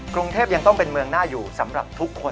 กรุงเทพยังต้องเป็นเมืองหน้าอยู่สำหรับทุกคน